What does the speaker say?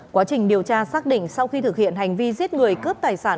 quá trình điều tra xác định sau khi thực hiện hành vi giết người cướp tài sản